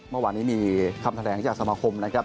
เมื่อวานนี้มีคำแถลงจากสมาคมนะครับ